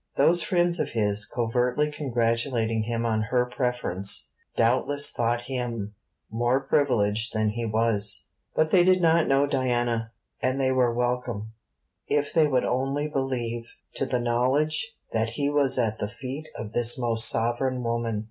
Those friends of his, covertly congratulating him on her preference, doubtless thought him more privileged than he was; but they did not know Diana; and they were welcome, if they would only believe, to the knowledge that he was at the feet of this most sovereign woman.